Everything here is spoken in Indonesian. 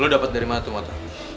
lo dapat dari mana itu motor